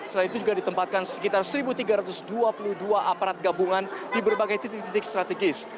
selain itu juga ditempatkan sekitar satu tiga ratus dua puluh dua aparat gabungan di berbagai titik titik strategis